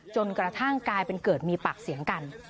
จนกระทั่งกลายเป็นเกิดมีปากเสียงกัน